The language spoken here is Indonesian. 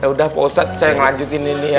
udah pak ustadz saya ngelanjutin ini ya